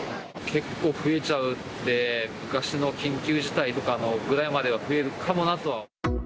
結構増えちゃって、昔の緊急事態とかのぐらいまでは増えるかもなとは。